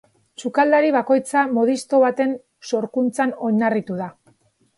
Sukaldari bakoitza modisto baten sorkuntzan oinarritu da.